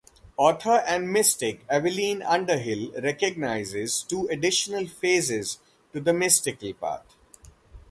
Author and mystic Evelyn Underhill recognizes two additional phases to the mystical path.